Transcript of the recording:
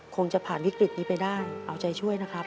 คงจะผ่านวิกฤตนี้ไปได้เอาใจช่วยนะครับ